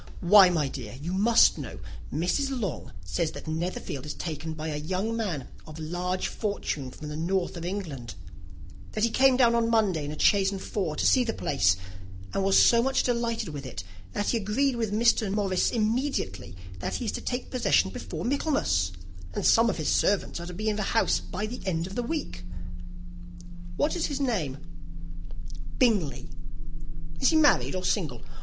"Why, my dear, you must know, Mrs. Long says that Netherfield is taken by a young man of large fortune from the north of England; that he came down on Monday in a chaise and four to see the place, and was so much delighted with it that he agreed with Mr. Morris immediately; that he is to take possession before Michaelmas, and some of his servants are to be in the house by the end of next week." "What is his name?" "Bingley." "Is he married or single?"